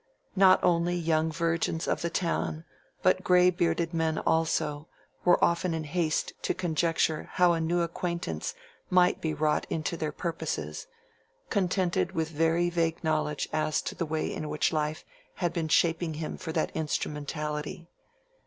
Not only young virgins of that town, but gray bearded men also, were often in haste to conjecture how a new acquaintance might be wrought into their purposes, contented with very vague knowledge as to the way in which life had been shaping him for that instrumentality.